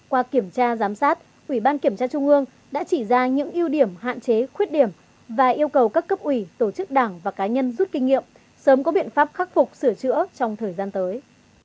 qua kiểm tra giám sát ủy ban kiểm tra trung ương đã chỉ ra những ưu điểm hạn chế khuyết điểm và yêu cầu các cấp ủy tổ chức đảng và cá nhân rút kinh nghiệm sớm có biện pháp khắc phục sửa chữa trong thời gian tới